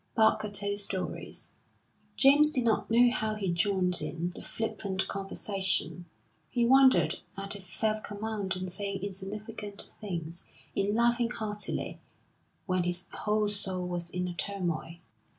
Barker told stories. James did not know how he joined in the flippant conversation; he wondered at his self command in saying insignificant things, in laughing heartily, when his whole soul was in a turmoil.